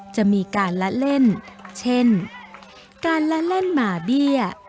จะมีการละเล่นเช่นการละเล่นหมาเบี้ย